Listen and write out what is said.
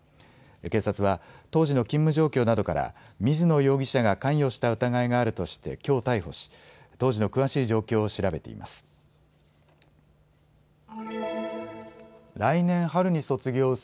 警察は当時の勤務状況などから水野容疑者が関与した疑いがあるとしてきょう逮捕し当時の詳しい状況を調べています。